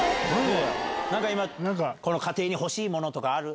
なんか今、この家庭に欲しいものとかある？